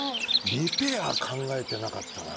リペアを考えてなかったな。